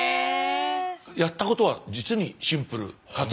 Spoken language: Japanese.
やったことは実にシンプルかつ。